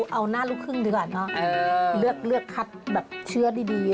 เอาหน้าลูกครึ่งดีกว่าเนอะเลือกคัดแบบเชื้อดี